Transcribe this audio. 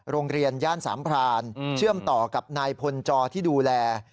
โรงเรียนย่านสามพรานเชื่อมต่อกับนายพลจอที่ดูแล